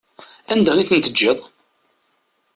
Anda i ten-teǧǧiḍ?